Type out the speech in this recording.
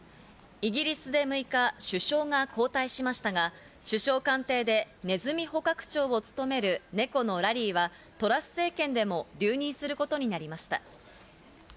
イギリスで６日、首相が交代しましたが、首相官邸でネズミ捕獲長を務めるネコのラリーはトラス政権でも留任することになりました。